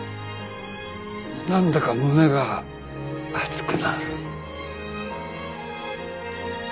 何だか胸が熱くなる。